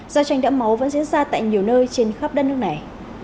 giao tranh đẫm máu vẫn diễn ra tại nhiều nơi trên khắp đất nước này